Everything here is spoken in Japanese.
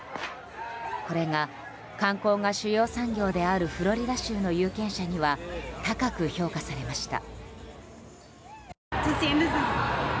これが観光が主要産業であるフロリダ州の有権者には高く評価されました。